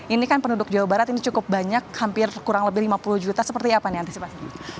ini kan penduduk jawa barat ini cukup banyak hampir kurang lebih lima puluh juta seperti apa nih antisipasi